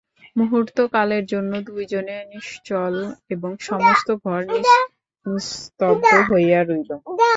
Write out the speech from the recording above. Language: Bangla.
মুহূর্তকালের জন্য দুইজনে নিশ্চল এবং সমস্ত ঘর নিস্তব্ধ হইয়া রহিল।